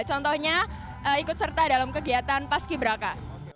contohnya ikut serta dalam kegiatan paski beraka